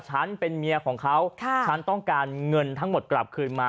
ฉันเป็นเมียของเขาฉันต้องการเงินทั้งหมดกลับคืนมา